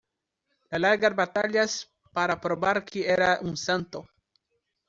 Las largas batallas para probar que era un Santo.